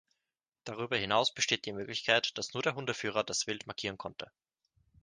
Darüber hinaus besteht die Möglichkeit, dass nur der Hundeführer das Wild markieren konnte.